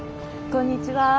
こんにちは。